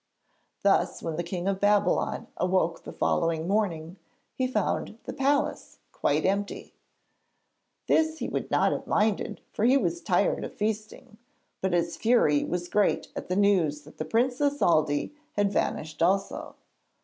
Thus when the King of Babylon awoke the following morning, he found the palace quite empty. This he would not have minded for he was tired of feasting, but his fury was great at the news that the Princess Aldée had vanished also.